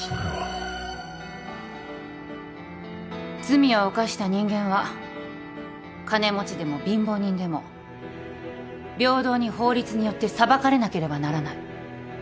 罪を犯した人間は金持ちでも貧乏人でも平等に法律によって裁かれなければならない。